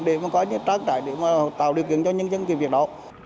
để mà có những trang trại để mà tạo điều kiện cho nhân dân cái việc đó